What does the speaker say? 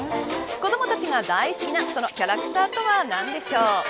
子どもたちが大好きなそのキャラクターとは何でしょう。